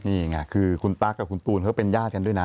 นี่ไงคือคุณตั๊กกับคุณตูนเขาเป็นญาติกันด้วยนะ